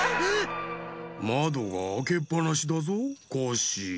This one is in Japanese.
まどがあけっぱなしだぞコッシー。